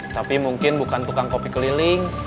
tapi mungkin bukan tukang kopi keliling